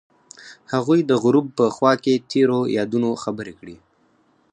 هغوی د غروب په خوا کې تیرو یادونو خبرې کړې.